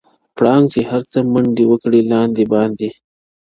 • پړانګ چي هر څه منډي وکړې لاندي باندي -